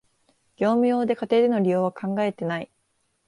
業務用で、家庭での利用は考えてない